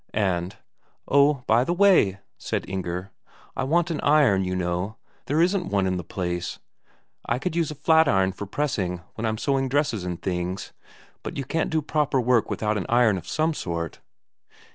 And, "Oh, by the way," said Inger, "I want an iron, you know. There isn't one in the place. I could use a flat iron for pressing when I'm sewing dresses and things, but you can't do proper work without an iron of some sort."